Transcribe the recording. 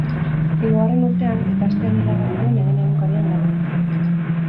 Hirugarren urtean, ikasteari laga zion Egin egunkarian lan egiteko.